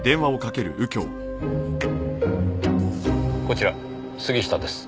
こちら杉下です。